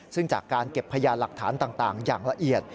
ซึ่งจากการเก็บพยานหลักฐานต่างอย่างละเอียด